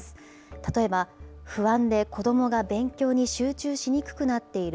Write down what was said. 例えば不安で子どもが勉強に集中しにくくなっている。